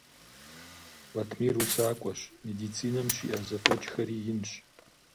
Латмир усакӀуэщ, медицинэм щиӀэ зэфӀэкӀхэри инщ.